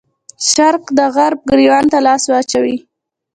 شرق د غرب ګرېوان ته لاس واچوي.